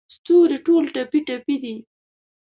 ستوري ټول ټپې، ټپي دی